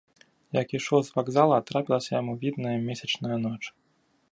Як ішоў з вакзала, трапілася яму відная, месячная ноч.